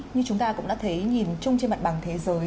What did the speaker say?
như chúng ta cũng đã thấy nhìn chung trên mặt bằng thế giới